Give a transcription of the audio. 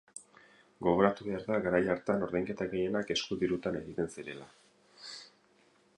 Gogoratu behar da garai hartan ordainketa gehienak eskudirutan egiten zirela.